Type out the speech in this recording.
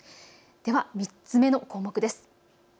では３つ目の項目です。